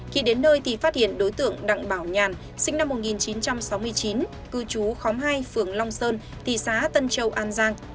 khi đến nơi thì phát hiện đối tượng đặng bảo nhàn sinh năm một nghìn chín trăm sáu mươi chín cư trú khóm hai phường long sơn thị xã tân châu an giang